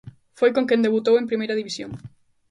Foi con quen debutou en Primeira División.